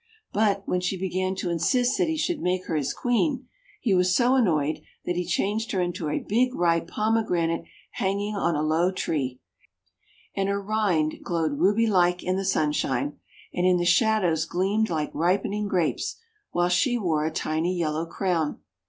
But, when she began to insist that he should make her his Queen, he was so annoyed that he changed her into a big ripe Pomegranate hang ing on a low tree. And her rind glowed ruby like in the sunshine, and in the shadows gleamed 204 THE WONDER GARDEN like ripening Grapes, while she wore a tiny yellow crown.